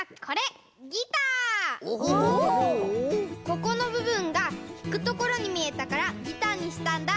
ここのぶぶんがひくところにみえたからギターにしたんだ。